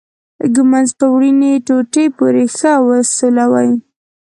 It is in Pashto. ږمنځ په وړینې ټوټې پورې ښه وسولوئ.